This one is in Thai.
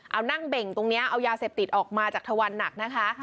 เอานั่งเบ่งตรงนี้เอายาเสพติดออกมาจากทวันหนักนะคะ